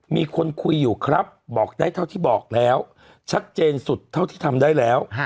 มีคนคุยอยู่ครับบอกได้เท่าที่บอกแล้วชัดเจนสุดเท่าที่ทำได้แล้ว